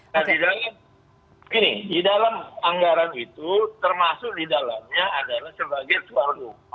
nah di dalamnya ini di dalam anggaran itu termasuk di dalamnya adalah sebagai suar rumah